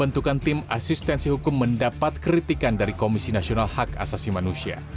pembentukan tim asistensi hukum mendapat kritikan dari komisi nasional hak asasi manusia